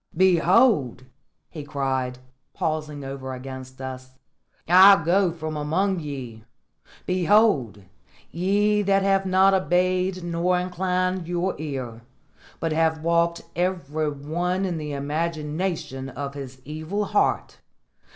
"Behold!" he cried, pausing over against us, "I go from among ye! Behold, ye that have not obeyed nor inclined your ear, but have walked every one in the imagination of his evil heart!